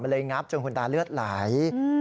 มันเลยงับจนคุณตาเลือดหลาย